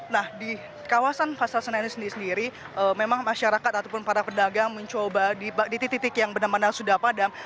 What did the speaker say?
nah di kawasan pasar senen ini sendiri sendiri memang masyarakat ataupun para pedagang mencoba di titik titik yang benar benar sudah padam